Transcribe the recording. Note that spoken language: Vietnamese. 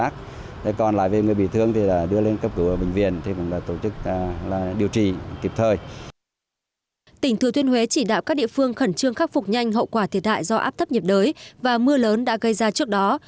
tỉnh thừa thiên huế chỉ đạo các địa phương khẩn trương khắc phục nhanh hậu quả thiệt hại do áp thấp nhiệt đới và mưa lớn đã gây ra trước đó